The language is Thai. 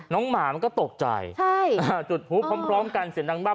น้องหมามันก็ตกใจใช่จุดภูกพร้อมกันเสียงดังบ้าน